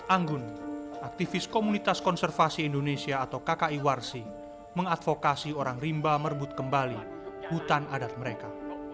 anggun aktivis komunitas konservasi indonesia atau kki warsi mengadvokasi orang rimba merebut kembali hutan adat mereka